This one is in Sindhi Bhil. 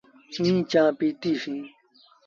ائيٚݩ چآنه پيٚتيٚسيٚݩ۔